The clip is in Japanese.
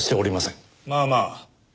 まあまあ。